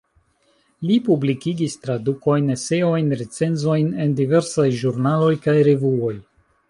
Li publikigis tradukojn, eseojn, recenzojn en diversaj ĵurnaloj kaj revuoj.